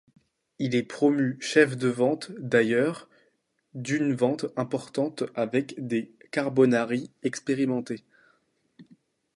Il est promu chef de vente d'ailleurs, d'une vente importante avec des carbonari expérimentés.